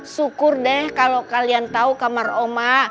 syukur deh kalo kalian tau kamar oma